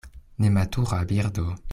nematura birdo.